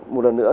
một lần nữa